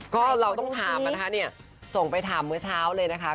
ก็เราต้องถามนะคะเนี่ยส่งไปถามเมื่อเช้าเลยนะคะ